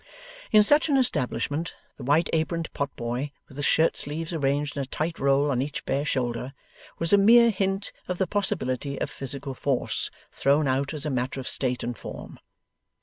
In such an establishment, the white aproned pot boy with his shirt sleeves arranged in a tight roll on each bare shoulder, was a mere hint of the possibility of physical force, thrown out as a matter of state and form.